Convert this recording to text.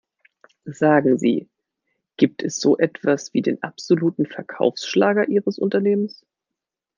Sagen Sie, gibt es so etwas wie den absoluten Verkaufsschlager ihres Unternehmens?